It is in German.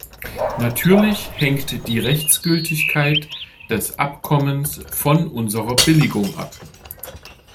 Natürlich hängt die Rechtsgültigkeit des Abkommens von unserer Billigung ab.